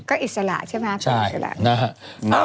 ก็อิสระใช่มั้ยอาหารอิสระ